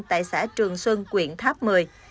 tại xã trường xuân quyện tháp mười